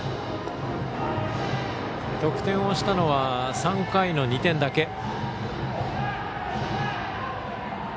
得点をしたのは３回の２点だけ。